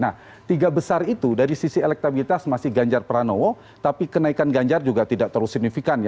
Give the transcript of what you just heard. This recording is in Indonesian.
nah tiga besar itu dari sisi elektabilitas masih ganjar pranowo tapi kenaikan ganjar juga tidak terlalu signifikan